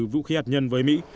vũ khí hạt nhân với mỹ